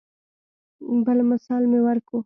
بل مثال مې ورکو.